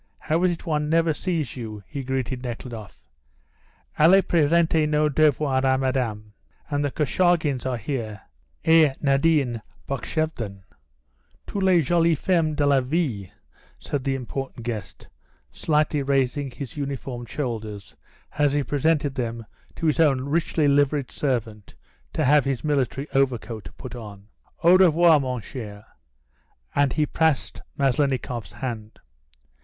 How is it one never sees you?" he greeted Nekhludoff. "Allez presenter vos devoirs a Madame. And the Korchagins are here et Nadine Bukshevden. Toutes les jolies femmes de la ville," said the important guest, slightly raising his uniformed shoulders as he presented them to his own richly liveried servant to have his military overcoat put on. "Au revoir, mon cher." And he pressed Maslennikoff's hand.